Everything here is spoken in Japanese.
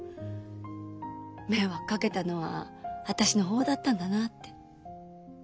迷惑かけたのは私の方だったんだなって。